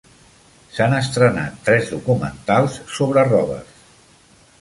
S'han estrenat tres documentals sobre Roberts.